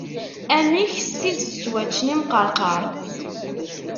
Amek, s tidet ttwaččan imqerqar?